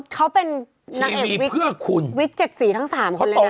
เขาเป็นนางเอกวิกเจ็ดสีทั้ง๓คุณเลยนะทีมีเพื่อคุณ